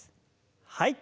はい。